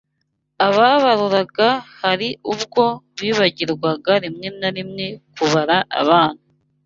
Ababaruraga hari ubwo bibagirwaga rimwe na rimwe kubara abana